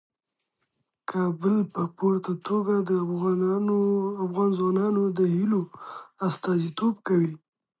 کابل په پوره توګه د افغان ځوانانو د هیلو استازیتوب کوي.